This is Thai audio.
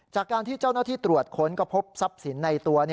จากการที่เจ้าหน้าที่ตรวจค้นก็พบทรัพย์สินในตัว